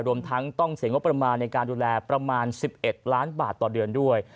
รวมทั้งต้องเสียงบประมาณในการดูแลประมาณ๑๑ล้านบาทต่อเดือนด้วย